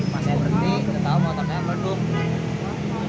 pas saya berhenti kita tahu motor saya meredup